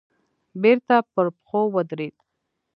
بېرته پر پښو ودرېد.